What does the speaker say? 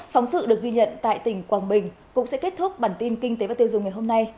phóng sự được ghi nhận tại tỉnh quảng bình cũng sẽ kết thúc bản tin kinh tế và tiêu dùng ngày hôm nay